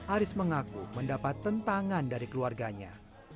aris mengaku mendapat tentangan dari keluarganya